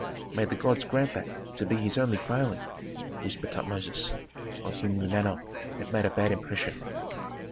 "May the gods grant that to be his only failing," whispered Tutmosis, on whom Eunana had made a bad impression.